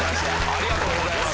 ありがとうございます。